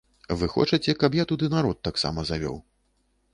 Вы хочаце, каб я туды народ таксама завёў.